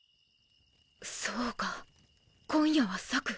そうか今夜は朔。